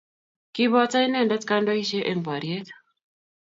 kiboto inendet kandoisie eng' boriet